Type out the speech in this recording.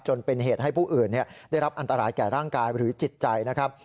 จนเป็นเหตุให้ผู้อื่นได้รับอันตรายแก่ร่างกายหรือจิตใจนะครับ